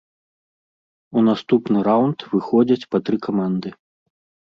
У наступны раўнд выходзяць па тры каманды.